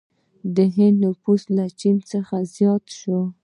د هند نفوس له چین څخه زیات شو.